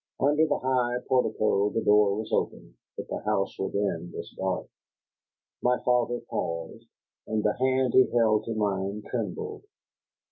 Under the high portico the door was open, but the house within was dark. My father paused, and the hand he held to mine trembled.